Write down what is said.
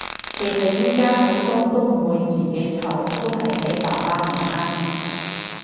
其實依家好多都唔會自己湊，都係俾爸爸媽媽